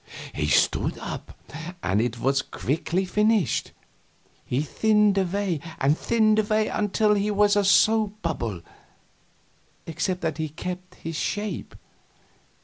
He stood up, and it was quickly finished. He thinned away and thinned away until he was a soap bubble, except that he kept his shape.